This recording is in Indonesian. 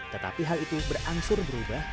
tetapi hal itu berangsur berubah